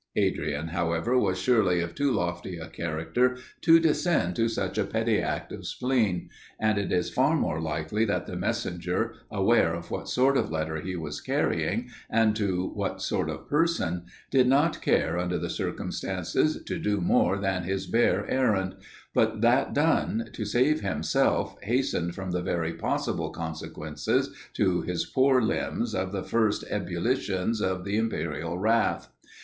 Adrian, however, was surely of too lofty a character to descend to such a petty act of spleen; and it is far more likely that the messenger, aware of what sort of letter he was carrying, and to what sort of person, did not care, under the circumstances, to do more than his bare errand; but, that done, to save himself, hastened from the very possible consequences to his poor limbs of the first ebullitions of the imperial wrath.